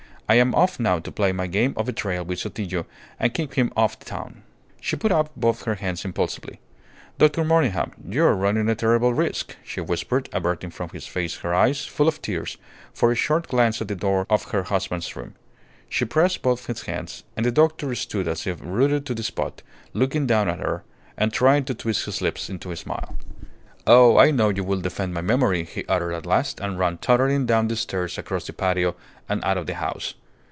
I am off now to play my game of betrayal with Sotillo, and keep him off the town." She put out both her hands impulsively. "Dr. Monygham, you are running a terrible risk," she whispered, averting from his face her eyes, full of tears, for a short glance at the door of her husband's room. She pressed both his hands, and the doctor stood as if rooted to the spot, looking down at her, and trying to twist his lips into a smile. "Oh, I know you will defend my memory," he uttered at last, and ran tottering down the stairs across the patio, and out of the house.